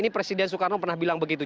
ini presiden soekarno pernah bilang begitu